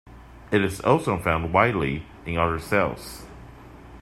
It is also found widely in other cells.